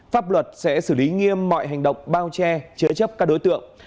pháp luật sẽ xử lý nghiêm mọi hành động bao che chứa chấp các đối tượng